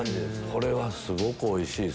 これはすごくおいしいです。